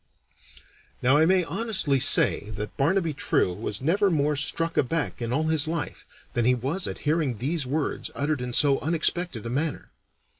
Now I may honestly say that Barnaby True was never more struck aback in all his life than he was at hearing these words uttered in so unexpected a manner.